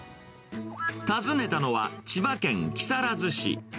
訪ねたのは、千葉県木更津市。